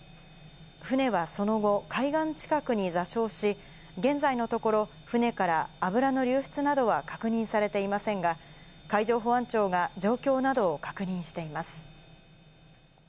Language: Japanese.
船はその後、海岸近くに座礁し、現在のところ、船から油の流出などは確認されていませんが、海上保安庁が状況などを確認しています。